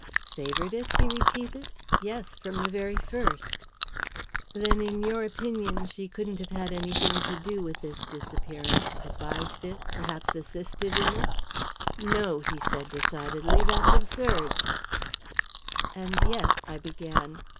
"Favoured it?" he repeated. "Yes, from the very first." "Then, in your opinion, she couldn't have had anything to do with this disappearance advised it, perhaps assisted in it?" "No," he said decidedly; "that's absurd." "And yet " I began.